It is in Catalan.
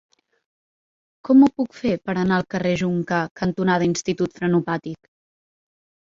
Com ho puc fer per anar al carrer Joncar cantonada Institut Frenopàtic?